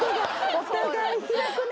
お互い開くね。